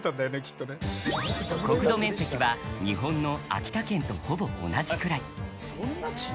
国土面積は日本の秋田県と同じくらい。